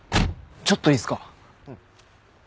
ちょっといいっすか？